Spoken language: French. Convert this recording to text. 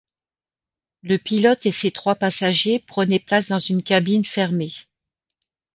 Le pilote et ses trois passagers prenaient place dans une cabine fermée.